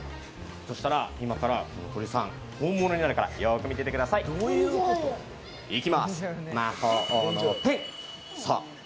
そしたら今から、鳥さん本物になるからよく見てください。いきます。